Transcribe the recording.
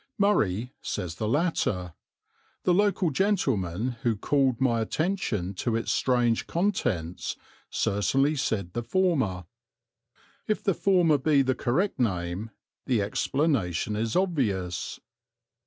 "Murray" says the latter; the local gentlemen who called my attention to its strange contents certainly said the former. If the former be the correct name the explanation is obvious.